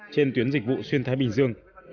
trên tuyến dịch vụ xuyên thái bình dương